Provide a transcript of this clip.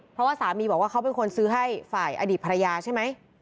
เพราะว่าสามีบอกว่าเขาเป็นคนซื้อให้ฝ่ายอดีตภรรยาใช่ไหม